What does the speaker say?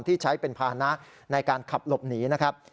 ที่ใช้เป็นภานะในการขับหลบหนีนะครับ